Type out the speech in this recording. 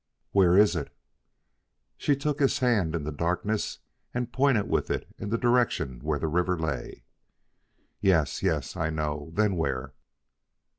"Where is it?" She took his hand in the darkness and pointed with it in the direction where the river lay. "Yes, yes, I know. Then where?"